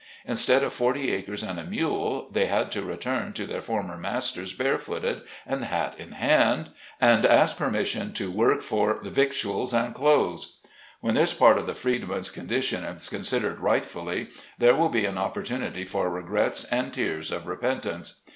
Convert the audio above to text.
Instead of forty acres and a mule, they had to return to their former masters barefooted, and hat in hand, and ask permission to work for "victuals and clothes" When this part of the freedman's condi 70 SLAVE CABIN TO PULPIT. tion is considered rightfully there will be an oppor tunity for regrets and tears of repentance.